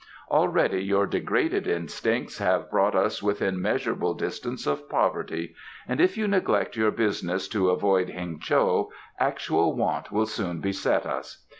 "Already your degraded instincts have brought us within measurable distance of poverty, and if you neglect your business to avoid Heng cho, actual want will soon beset us.